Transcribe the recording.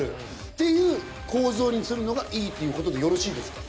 っていう構造にするのがいいっていうことでよろしいですか？